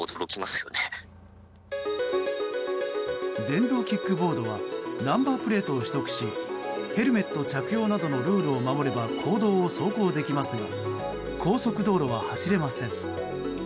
電動キックボードはナンバープレートを取得しヘルメット着用などのルールを守れば公道を走行できますが高速道路は走れません。